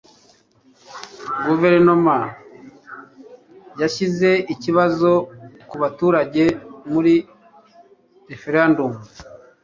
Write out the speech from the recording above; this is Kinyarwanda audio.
guverinoma yashyize ikibazo ku baturage muri referendum